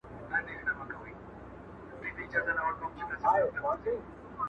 o کور مي د بلا په لاس کي وليدی.